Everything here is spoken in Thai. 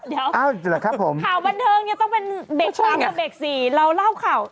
เดี๋ยวข่าวบันเทิงนี่ต้องเป็นเบกสี่หรือเป็นเบกสี่เราเล่าข่าว